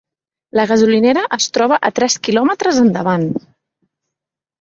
La gasolinera es troba a tres quilòmetres endavant.